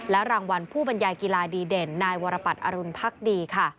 รางวัลผู้บรรยายกีฬาดีเด่นนายวรปัตรอรุณพักดีค่ะ